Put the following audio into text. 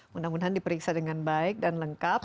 mudah mudahan diperiksa dengan baik dan lengkap